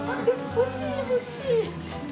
欲しい欲しい。